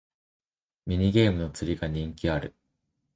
ミニゲームの釣りが人気ある